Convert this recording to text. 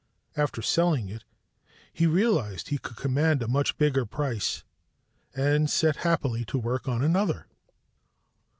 After selling it, he realized he could command a much bigger price, and set happily to work on another.